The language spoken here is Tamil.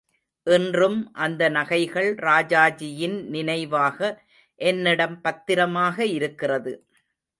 இன்றும் அந்த நகைகள் ராஜாஜியின்நினைவாக என்னிடம் பத்திரமாக இருக்கிறது.